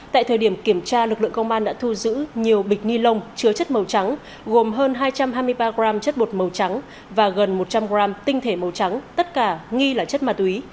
tại thời điểm kiểm tra lực lượng công an đã thu giữ nhiều bịch ni lông chứa chất màu trắng gồm hơn hai trăm hai mươi ba g chất bột màu trắng và gần một trăm linh g tinh thể màu trắng tất cả nghi là chất ma túy